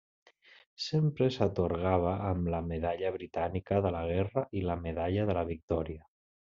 Sempre s'atorgava amb la Medalla Britànica de la Guerra i la Medalla de la Victòria.